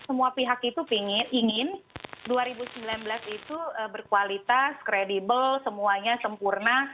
semua pihak itu ingin dua ribu sembilan belas itu berkualitas kredibel semuanya sempurna